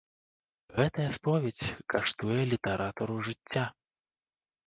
Гэтая споведзь каштуе літаратару жыцця.